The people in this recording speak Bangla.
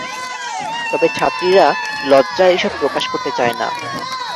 তবে ছাত্রীরা লজ্জায় এসব প্রকাশ করতে চায় না।